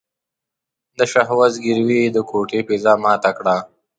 د شهوت ځګيروی يې د کوټې فضا ماته کړه.